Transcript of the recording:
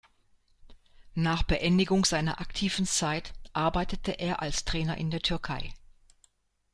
Nach Beendigung seiner aktiven Zeit arbeitete er als Trainer in der Türkei.